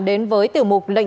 kính chào quý vị và các bạn